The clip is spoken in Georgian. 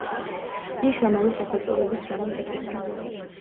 ის ამავე სახელწოდების რომანს ეფუძნება.